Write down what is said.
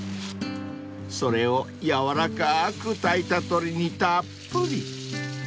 ［それを軟らかーく炊いた鶏にたっぷり］